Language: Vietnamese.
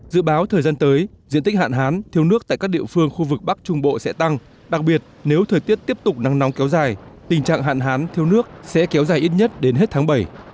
dự báo thời gian tới diện tích hạn hán thiếu nước tại các địa phương khu vực bắc trung bộ sẽ tăng đặc biệt nếu thời tiết tiếp tục nắng nóng kéo dài tình trạng hạn hán thiếu nước sẽ kéo dài ít nhất đến hết tháng bảy